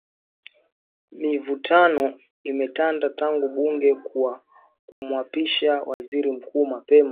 Mivutano imetanda tangu bunge kumwapisha Waziri Mkuu mapema